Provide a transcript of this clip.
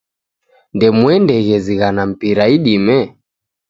Ndemuendeghe zighana mpira idime